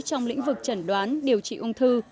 trong lĩnh vực chẩn đoán điều trị ung thư